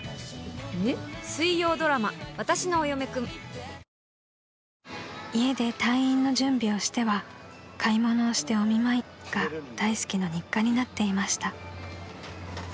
颯颯アサヒの緑茶「颯」［家で退院の準備をしては買い物をしてお見舞いが大助の日課になっていました］